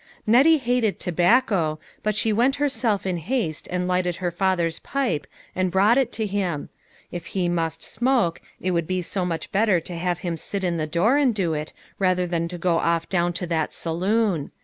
Nettie hated tobacco, but she went herself in haste and lighted her father's pipe and brought it to him ; if he must smoke, it would be so much better to have him sit in the door and do it rather than to go off down to that saloon.